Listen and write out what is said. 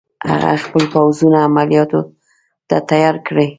هغه خپل پوځونه عملیاتو ته تیار کړي.